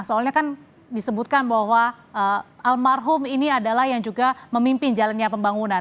soalnya kan disebutkan bahwa almarhum ini adalah yang juga memimpin jalannya pembangunan